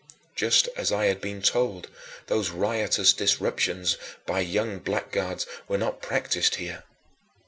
Just as I had been told, those riotous disruptions by young blackguards were not practiced here.